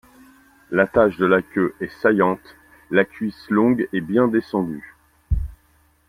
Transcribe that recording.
L'attache de la queue est saillante, la cuisse longue et bien descendue.